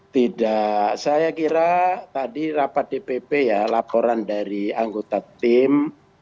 tidak saya kira tadi rapat dpp ya laporan dari anggota tim